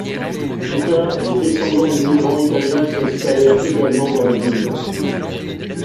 Plus tard, des descendants d'immigrants italiens s'installèrent également dans la ville.